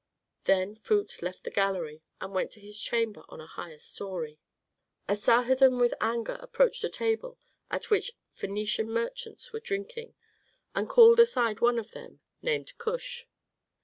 Then Phut left the gallery and went to his chamber on a higher story. Asarhadon with anger approached a table at which Phœnician merchants were drinking, and called aside one of them named Kush.